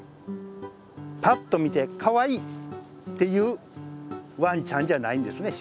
パッと見てかわいいっていうワンちゃんじゃないんですね